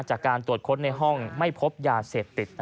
จากการตรวจค้นในห้องไม่พบยาเสพติด